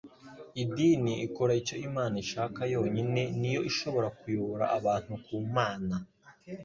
Idini ikora icyo Imana ishaka yonyine ni yo ishobora kuyobora abantu ku Mana.